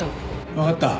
わかった。